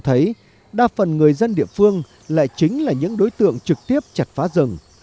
tôi thấy đa phần người dân địa phương lại chính là những đối tượng trực tiếp chặt phá rừng